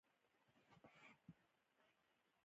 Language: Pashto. ایا ستاسو وده به متوازنه نه وي؟